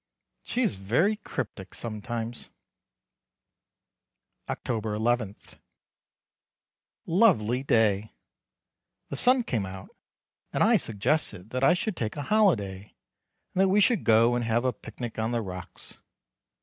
She is very cryptic sometimes. October 11. Lovely day. The sun came out and I suggested that I should take a holiday, and that we should go and have a picnic on the rocks.